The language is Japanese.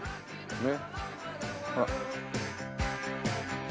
ねっ。